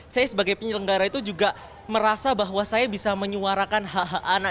saya sebagai penyelenggara itu juga merasa bahwa saya bisa menyuarakan hak hak anak